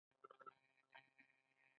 مېلمه ته د کور د سادګۍ ښایست وښیه.